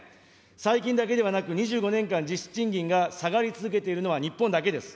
最近だけではなく、２５年間、実質賃金が下がり続けているのは日本だけです。